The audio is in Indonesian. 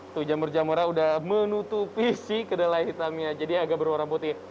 tuh jamur jamurnya udah menutupi si kedelai hitamnya jadi agak berwarna putih